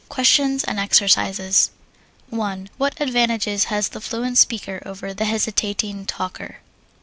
QUESTIONS AND EXERCISES 1. What advantages has the fluent speaker over the hesitating talker?